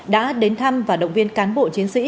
đã đến thăm và động viên cán bộ chiến sĩ